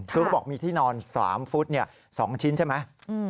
คือเขาบอกมีที่นอน๓ฟุต๒ชิ้นใช่ไหม